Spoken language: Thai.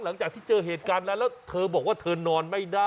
หลังจากที่เจอเหตุการณ์แล้วเธอบอกว่าเธอนอนไม่ได้